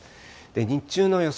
日中の予想